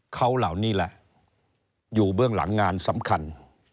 เขาเหล่านี้แหละอยู่เบื้องหลังงานสำคัญ